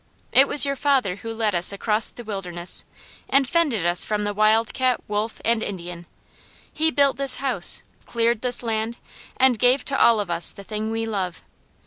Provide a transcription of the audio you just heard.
It was your father who led us across the wilderness, and fended from us the wildcat, wolf, and Indian. He built this house, cleared this land, and gave to all of us the thing we love.